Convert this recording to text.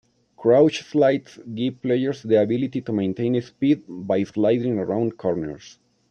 Crouch slides give players the ability to maintain speed by sliding around corners.